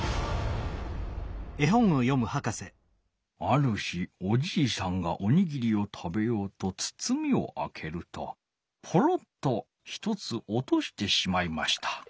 「ある日おじいさんがおにぎりを食べようとつつみをあけるとポロッとひとつおとしてしまいました。